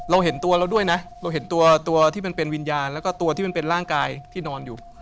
เห็นตัวเราด้วยนะเราเห็นตัวที่มันเป็นวิญญาณแล้วก็ตัวที่มันเป็นร่างกายที่นอนอยู่